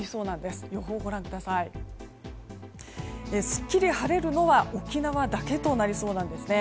すっきり晴れるのは沖縄だけとなりそうなんです。